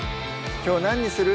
きょう何にする？